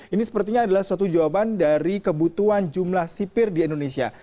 ini sepertinya adalah suatu jawaban dari kebutuhan jumlah sipir di indonesia